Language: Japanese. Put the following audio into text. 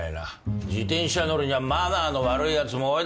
自転車乗りにはマナーの悪いやつも多いだろ。